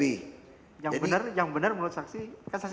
yang benar menurut saksi